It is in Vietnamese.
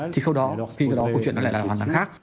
thì khâu đó khi đó câu chuyện lại là hoàn toàn khác